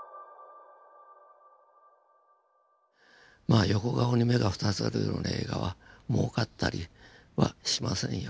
まあ横顔に目が２つあるような映画はもうかったりはしませんよ。